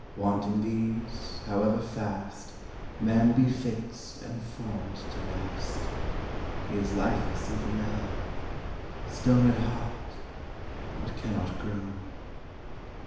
Wanting these, however fast Man be fix'd and form'd to last, He is lifeless even now, Stone at heart, and cannot grow.